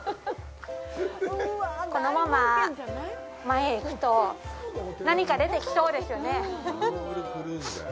このまま前へ行くと何か出てきそうですよね。